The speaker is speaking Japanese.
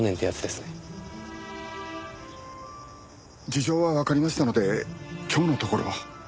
事情はわかりましたので今日のところは。